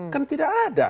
kan tidak ada